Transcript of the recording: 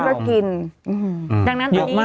ดังนั้นตอนนี้ก็ถึงบอกว่า